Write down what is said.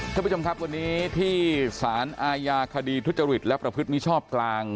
ท่านผู้ชมครับวันนี้ที่สารอาญาคดีทุจริตและประพฤติมิชชอบกลาง